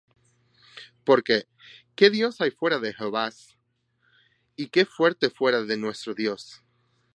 Porque ¿qué Dios hay fuera de Jehová? ¿Y qué fuerte fuera de nuestro Dios?